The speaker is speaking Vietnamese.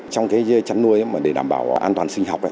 trong chăn nuôi để đảm bảo an toàn sinh học